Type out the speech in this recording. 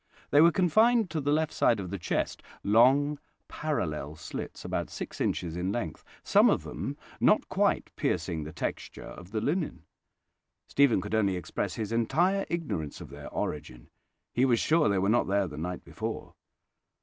They were confined to the left side of the chest—long, parallel slits, about six inches in length, some of them not quite piercing the texture of the linen. Stephen could only express his entire ignorance of their origin: he was sure they were not there the night before.